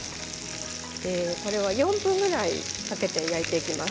これは４分ぐらいかけて焼いていきます。